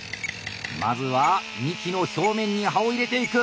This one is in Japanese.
まずは幹の表面に刃を入れていく！